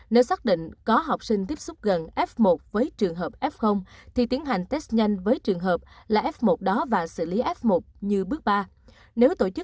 nếu xác định có học sinh tiếp xúc gần f một với trường hợp f thì tiến hành test nhanh với trường hợp là f một đó và xử lý f một như bước ba nếu tổ chức